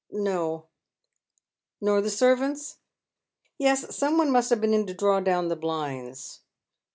"" No." *' Nor the servants ?" "Yes, some one must have been in to draw down the blinds."